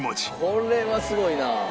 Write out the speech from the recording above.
これはすごいな。